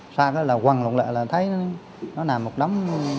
xa đó là hoang lụng lệ là thấy nó nằm một đấm